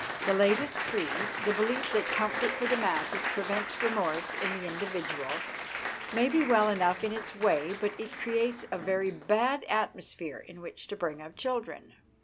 The latest creed, the belief that comfort for the masses prevents remorse in the indi vidual, may be well enough in its way, but it creates a very bad atmosphere in which to bring up children.